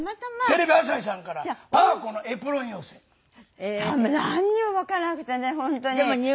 テレビ朝日さんから『パー子のエプロン寄席』。なんにもわからなくてね本当に。